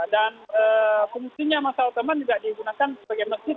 dan fungsinya masa utama juga digunakan sebagai masjid